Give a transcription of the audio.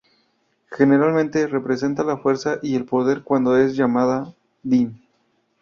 Generalmente representa la fuerza y el poder cuando es llamada "Din".